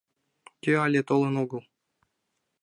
Кӧ але толын огыл?